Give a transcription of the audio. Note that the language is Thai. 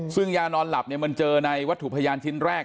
ซึ่งยานอนหลับเนี่ยมันเจอในวัตถุพยานชิ้นแรก